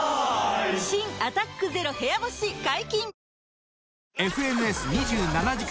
新「アタックＺＥＲＯ部屋干し」解禁‼